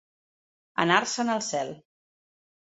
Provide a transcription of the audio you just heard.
Anar-se'n al cel.